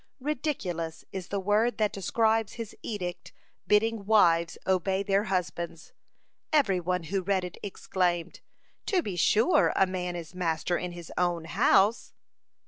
(50) Ridiculous is the word that describes his edict bidding wives obey their husbands. Every one who read it exclaimed: "To be sure, a man is master in his own house!"